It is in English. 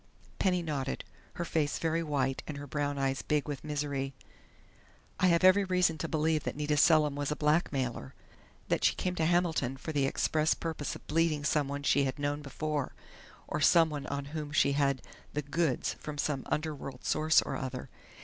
Penny nodded, her face very white and her brown eyes big with misery. "I have every reason to believe that Nita Selim was a blackmailer, that she came to Hamilton for the express purpose of bleeding someone she had known before, or someone on whom she had 'the goods' from some underworld source or other....